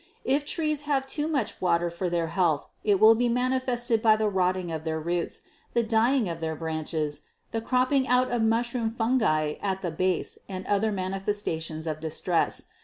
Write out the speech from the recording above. If trees have too much water for their health, it will be manifested by the rotting of their roots, the dying of their branches, the cropping out of mushroom fungi at the base and other manifestations of distress.